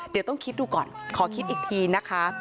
เดี๋ยวต้องคิดดูก่อนขอคิดอีกทีนะคะ